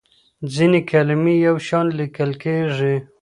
ځینې کلمې یو شان لیکل کېږي.